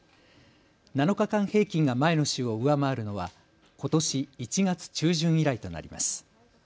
７日間平均が前の週を上回るのはことし１月中旬以来となります。